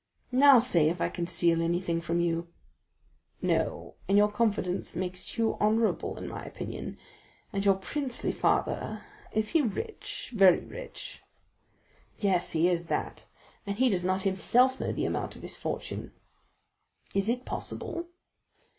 "Now, say if I conceal anything from you?" "No, and your confidence makes you honorable in my opinion; and your princely father, is he rich, very rich?" "Yes, he is that; he does not himself know the amount of his fortune." "Is it possible?"